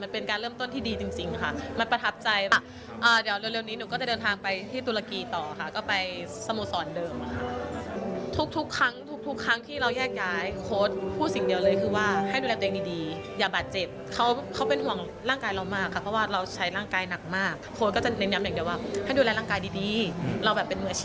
เพราะว่าปีหน้าก็มีโปรแกรมขันอีกเยอะมากครับ